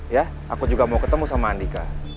ya aku juga mau ketemu sama andika